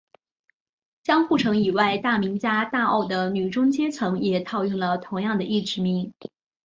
江户城以外大名家大奥的女中阶层也套用了同样的役职名。